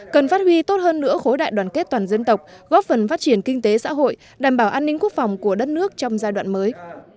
cần phát huy tốt hơn nữa khối đại đoàn kết toàn dân tộc góp phần phát triển kinh tế xã hội đảm bảo an ninh quốc phòng của đất nước trong giai đoạn mới